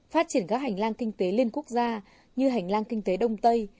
phát triển các hành lang kinh tế liên quốc gia như hành lang kinh tế đông tây